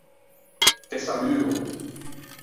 Te saluo!